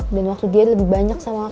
dan waktu dia lebih banyak sama gue